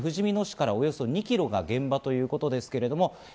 ふじみ野市からおよそ２キロの現場ということですけれども。